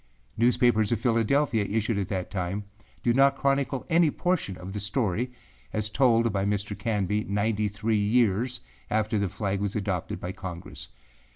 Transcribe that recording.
Newspapers of Philadelphia, issued at that time, did not chronicle any portion of the story as told by Mr. Canby ninety three years after the flag was adopted by Congress.